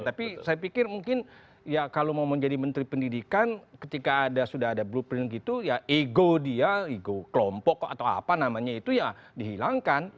tapi saya pikir mungkin ya kalau mau menjadi menteri pendidikan ketika sudah ada blueprint gitu ya ego dia ego kelompok atau apa namanya itu ya dihilangkan